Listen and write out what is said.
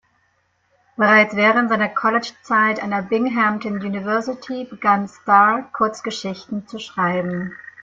Bereits während seiner Collegezeit an der Binghamton University begann Starr, Kurzgeschichten zu schreiben.